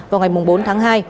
vào ngày bốn tháng hai